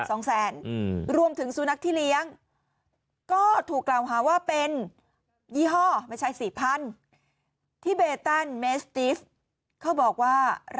โอ้ยโอ้ยโอ้ยโอ้ยโอ้ยโอ้ยโอ้ยโอ้ยโอ้ยโอ้ยโอ้ยโอ้ยโอ้ยโอ้ยโอ้ย